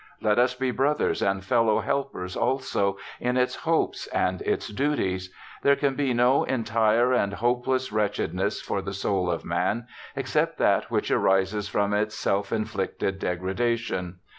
Let us be brothers and fellow helpers, also, in its hopes and its duties. There can be no entire and hopeless wretched ness for the soul of man, except that which arises from ELISHA BARTLETT 145 its self inflicted degradation.